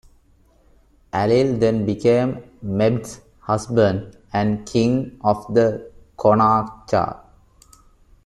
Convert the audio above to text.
Ailill then became Medb's husband and king of the Connachta.